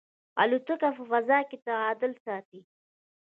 الوتکه په فضا کې تعادل ساتي.